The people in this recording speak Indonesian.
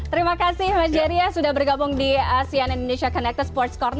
terima kasih mas jerry ya sudah bergabung di sian indonesia connected sports corner